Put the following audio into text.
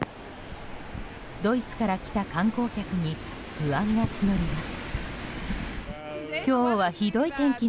ドイツから来た観光客に不安が募ります。